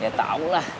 ya tau lah